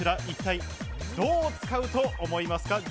一体どう使うと思いますか？